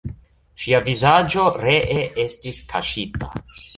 Ŝia vizaĝo ree estis kaŝita.